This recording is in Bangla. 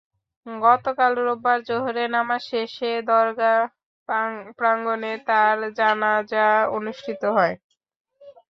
গতকাল রোববার জোহরের নামাজ শেষে দরগাহ প্রাঙ্গণে তাঁর জানাজা অনুষ্ঠিত হয়।